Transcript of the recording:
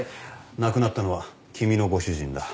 亡くなったのは君のご主人だ。